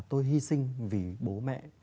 tôi hy sinh vì bố mẹ